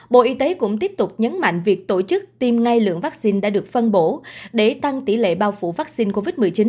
bộ y tế cũng tiếp tục nhấn mạnh việc tổ chức tiêm ngay lượng vaccine đã được phân bổ để tăng tỷ lệ bao phủ vaccine covid một mươi chín